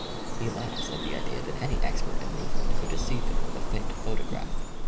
He laughs at the idea that any expert in England could de ceive him with a faked photograph.